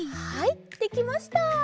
はいできました。